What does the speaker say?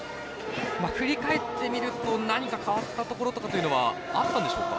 振り返ってみると何か変わったところというのはあったんでしょうか？